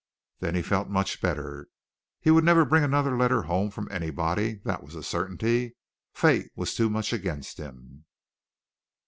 Then he felt much better. He would never bring another letter home from anybody, that was a certainty. Fate was too much against him.